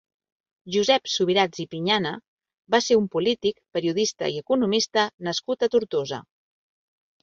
Josep Subirats i Piñana va ser un polític, periodista i economista nascut a Tortosa.